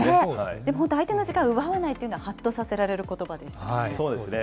本当、相手の時間を奪わないというのははっとさせられることそうですね。